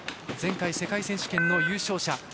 前回、世界選手権の優勝者。